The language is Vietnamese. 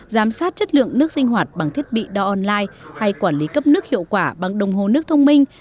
giám sát chất lượng nước sinh hoạt bằng thiết bị đo online hay quản lý cấp nước hiệu quả bằng đồng hồ nước thông minh